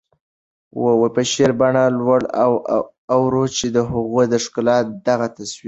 په شعري بڼه لولو او اورو چې د هغوی د ښکلا دغه تصویر